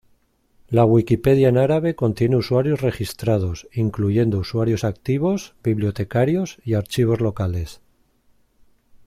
La Wikipedia en árabe contiene usuarios registrados, incluyendo usuarios activos, bibliotecarios y archivos locales.